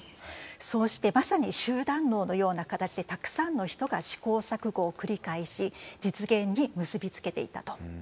そうしてまさに集団脳のような形でたくさんの人が試行錯誤を繰り返し実現に結び付けていったと。